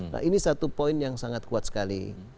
nah ini satu poin yang sangat kuat sekali